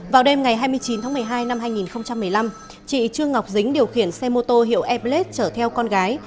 vào đêm ngày hai mươi chín tháng một mươi hai năm hai nghìn một mươi năm chị trương ngọc dính điều khiển xe mô tô hiệu airblade chở theo con gái